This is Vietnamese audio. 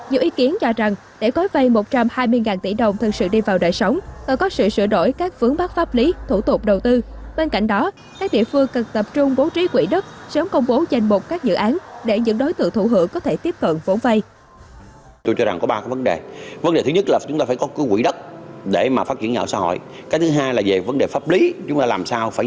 nhiều ý kiến cho rằng để gói vây một trăm hai mươi tỷ đồng thân sự các doanh nghiệp đề xuất các chương trình gói tín dụng ưu đẩy dành cho nhà ở xã hội cần có cách làm mới